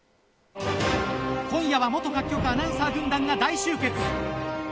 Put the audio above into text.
今夜は元各局アナウンサー軍団が大集結。